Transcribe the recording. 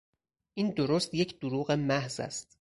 این درست یک دروغ محض است!